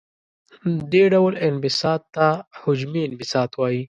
دې ډول انبساط ته حجمي انبساط وايي.